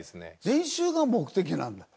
練習が目的なんだ。